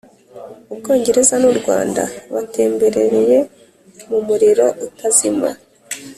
ubwongereza n’u rwanda batemberereye mu muriro utazima.